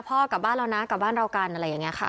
กลับบ้านเรานะกลับบ้านเรากันอะไรอย่างนี้ค่ะ